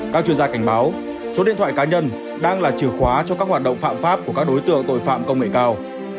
các chuyên gia cảnh báo số điện thoại cá nhân đang là chìa khóa cho các hoạt động phạm pháp của các đối tượng tội phạm công nghệ cao